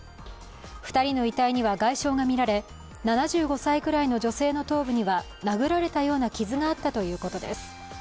２人の遺体には外傷が見られ、７５歳くらいの女性の頭部には殴られたような傷があったということです。